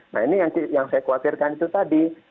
nah ini yang saya khawatirkan itu tadi